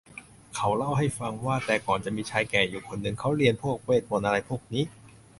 เขาเล่าให้ฟังว่า แต่ก่อนจะมีชายแก่อยู่คนนึงเขาเรียนพวกเวทย์มนต์อะไรพวกนี้